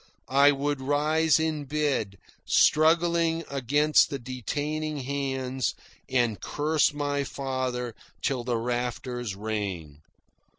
I would rise in bed, struggling against the detaining hands, and curse my father till the rafters rang.